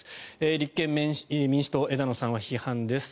立憲民主党の枝野さんは批判です。